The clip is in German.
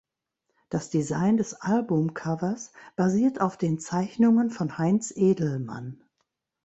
Das Design des Albumcovers basiert auf den Zeichnungen von Heinz Edelmann.